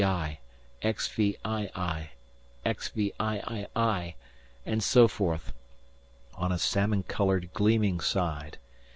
XVI., XVII., XVIII., and so forth on a salmon coloured gleaming side.